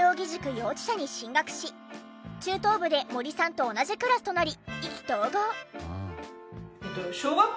幼稚舎に進学し中等部で森さんと同じクラスとなり意気投合。